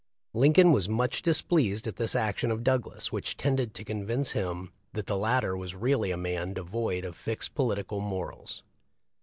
Lincoln was much displeased at this action of Douglas, which tended to convince him that the lat ter was really a man devoid of fixed political mor als.